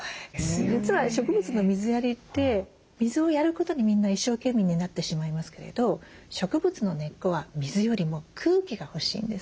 実は植物の水やりって水をやることにみんな一生懸命になってしまいますけれど植物の根っこは水よりも空気が欲しいんです。